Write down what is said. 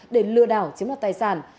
để lừa đảo chiếm đặt tài sản